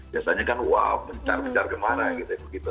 biasanya kan wow benar benar gemarang gitu